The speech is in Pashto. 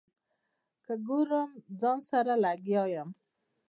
که ګورم ځان سره لګیا یم.